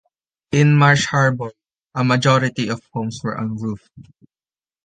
In Marsh Harbour, a majority of homes were unroofed.